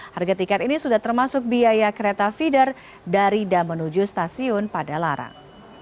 harga tiket ini sudah termasuk biaya kereta feeder dari dan menuju stasiun padalarang